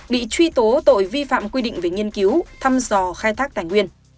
bị truy tố tội vi phạm quy định về nghiên cứu thăm dò khai thác tài nguyên